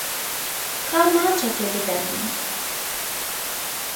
Ka maçekê bide min